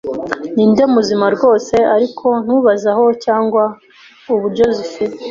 Ndi muzima rwose, ariko ntubaze aho cyangwa uburyo. Zifre